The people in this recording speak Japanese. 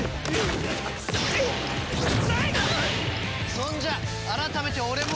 そんじゃ改めて俺も。